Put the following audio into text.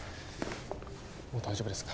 もう大丈夫ですか？